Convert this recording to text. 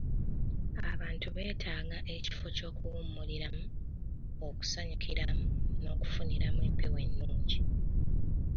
Abantu beetaaga ekifo ky'okuwummuliramu, okusanyukiramu n'okufuniramu empewo ennungi.